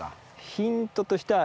ヒントとしては。